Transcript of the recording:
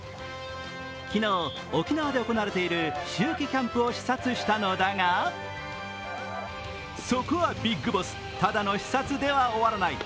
昨日、沖縄で行われている秋季キャンプを視察したのだが、そこはビッグボス、ただの視察では終わらない。